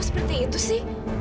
seperti itu sih